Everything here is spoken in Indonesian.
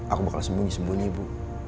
aku bakal sembunyi sembunyi ibu